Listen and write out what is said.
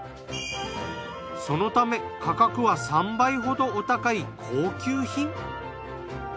そのため価格は３倍ほどお高い高級品。